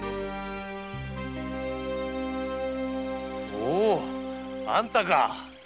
おぉあんたか！